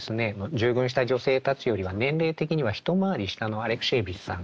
従軍した女性たちよりは年齢的には一回り下のアレクシエーヴィチさんがですね